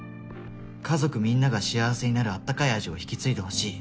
「家族みんなが幸せになるあったかい味を引き継いで欲しい」。